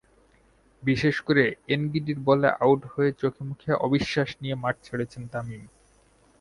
বিশেষ করে এনগিডির বলে আউট হয়ে চোখেমুখে অবিশ্বাস নিয়ে মাঠ ছেড়েছেন তামিম।